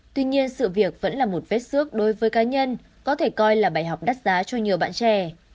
tuy nhiên sự việc vẫn là một vết xước đối với cá nhân có thể coi là bài học đắt giá cho nhiều bạn trẻ